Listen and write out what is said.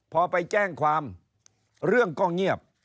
พอไปแจ้งความเรื่องก็เงียบ